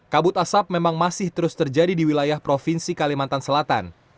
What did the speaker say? kabut asap memang masih terus terjadi di wilayah provinsi kalimantan selatan